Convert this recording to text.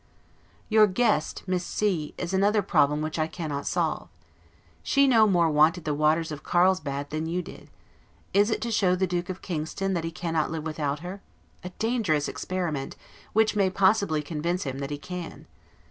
Your guest, Miss C , is another problem which I cannot solve. She no more wanted the waters of Carlsbadt than you did. Is it to show the Duke of Kingston that he cannot live without her? a dangerous experiment! which may possibly convince him that he can.